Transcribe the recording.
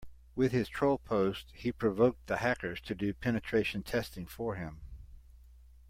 With his troll post he provoked the hackers to do penetration testing for him.